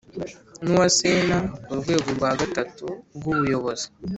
n uwa Sena ku rwego rwa gatatu rwubuyobozi